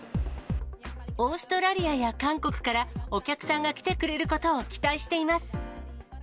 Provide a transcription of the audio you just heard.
オーストラリアや韓国から、お客さんが来てくれることを期待しています。